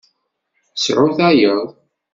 Sɛu tayeḍ.